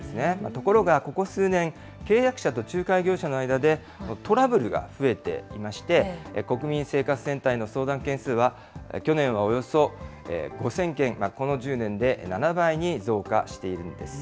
ところがここ数年、契約者と仲介業者の間で、トラブルが増えていまして、国民生活センターへの相談件数は去年はおよそ５０００件、この１０年で７倍に増加しているんです。